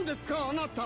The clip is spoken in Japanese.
あなた。